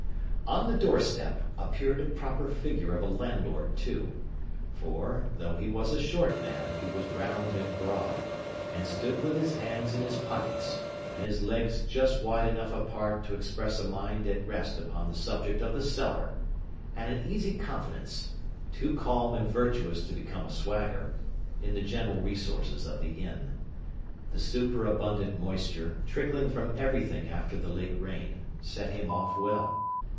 On the door step, appeared a proper figure of a landlord, too; for, though he was a short man, he was round and broad, and stood with his hands in his pockets, and his legs just wide enough apart to express a mind at rest upon the subject of the cellar, and an easy confidence—too calm and virtuous to become a swagger—in the general resources of the Inn. The superabundant moisture, trickling from everything after the late rain, set him off well.